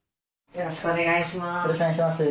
よろしくお願いします。